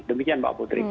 demikian mbak putri